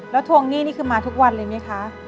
แล้วทวงหนี้นี่คือมาทุกวันเลยไหมคะ